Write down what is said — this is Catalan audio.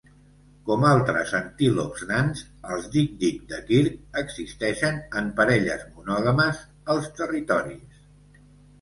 Com altres antílops nans, els dic-dic de Kirk existeixen en parelles monògames als territoris.